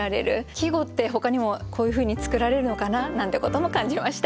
季語ってほかにもこういうふうに作られるのかななんてことも感じました。